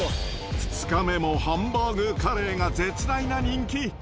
２日目もハンバーグカレーが絶大な人気。